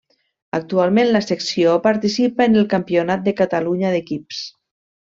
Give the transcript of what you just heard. Actualment la secció participa en el Campionat de Catalunya d'equips.